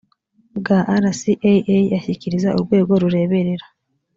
bwa rcaa ashyikiriza urwego rureberera